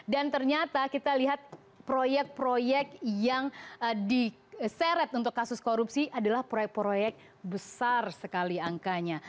dan ternyata kita lihat proyek proyek yang diseret untuk kasus korupsi adalah proyek proyek besar sekali angkanya